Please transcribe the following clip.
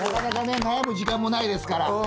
悩む時間もないですから。